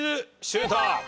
シュート！